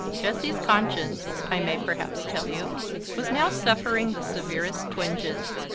Jessie's conscience, I may perhaps tell you, was now suffering the severest twinges.